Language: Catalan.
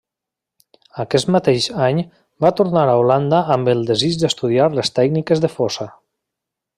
Aquest mateix any va tornar a Holanda amb el desig d'estudiar les tècniques de fosa.